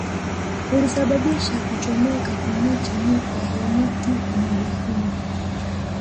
Ulisababisha kuchomeka kwa miche mipya ya miti ya mbuga hiyo